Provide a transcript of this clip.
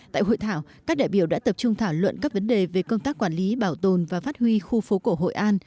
tại hội thảo các đại biểu đã tập trung thảo luận các vấn đề về công tác quản lý bảo tồn và phát huy khu phố cổ hội an